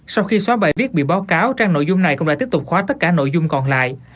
sau khi xóa bài viết bị báo cáo trang nội dung này cũng đã tiếp tục khóa tất cả nội dung còn lại